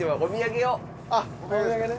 お土産ね。